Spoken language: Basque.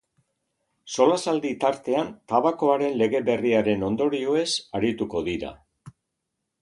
Solasaldi tartean tabakoaren lege berriaren ondorioez arituko dira.